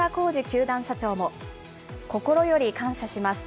球団社長も、心より感謝します。